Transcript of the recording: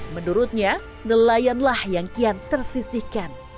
menurutnya nelayanlah yang kian tersisihkan